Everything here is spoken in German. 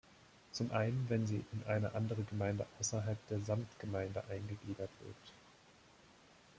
Zum einen, wenn sie in eine andere Gemeinde außerhalb der Samtgemeinde eingegliedert wird.